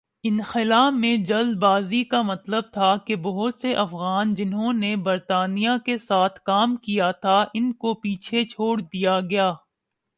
انخلا میں جلد بازی کا مطلب تھا کہ بہت سے افغان جنہوں نے برطانیہ کے ساتھ کام کیا تھا ان کو پیچھے چھوڑ دیا گیا۔